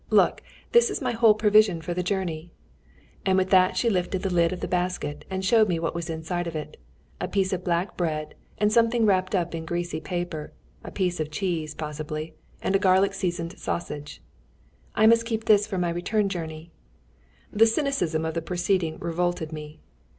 Look! this is my whole provision for the journey." [Footnote 34: i.e., husband.] And with that she lifted the lid of the basket, and showed me what was inside it: a piece of black bread, and something wrapped up in greasy paper a piece of cheese possibly, and a garlic seasoned sausage. "I must keep this for my return journey." The cynicism of the proceeding revolted me.